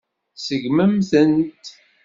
Segnemt-tent.